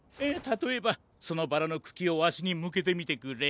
たとえばそのバラのくきをわしにむけてみてくれ。